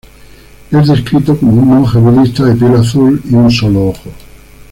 Es descrito como un monje budista de piel azul y un solo ojo.